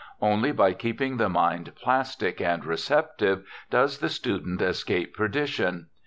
Only by keeping the mind plastic and receptive does the student escape perdition.